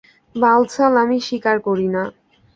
বালছাল আমি স্বীকার করি না।